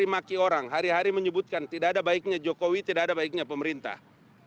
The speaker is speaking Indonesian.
maki orang hari hari menyebutkan tidak ada baiknya jokowi tidak ada baiknya pemerintah